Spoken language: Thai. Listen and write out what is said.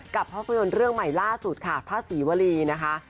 ภาพยนตร์เรื่องใหม่ล่าสุดค่ะพระศรีวรีนะคะ